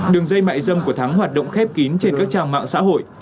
đường dây mại dâm của thắng hoạt động khép kín trên các trang mạng xã hội